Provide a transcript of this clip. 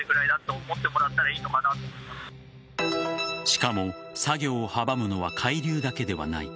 しかも作業を阻むのは海流だけではない。